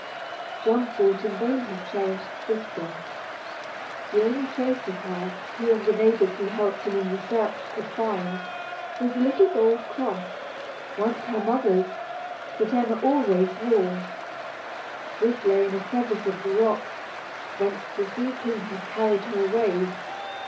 John sought in vain for his cherished sister. The only trace of her, he and the neighbors who helped him in the search, could find, was a little gold cross, once her mother's, that Emma always wore. This lay in a crevice of the rock, whence the sea king had carried her away.